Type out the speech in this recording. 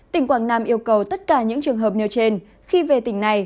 tỉnh quảng nam yêu cầu tất cả những trường hợp nêu trên khi về tỉnh này